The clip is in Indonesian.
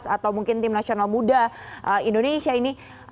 atau mungkin tim nasional muda indonesia ini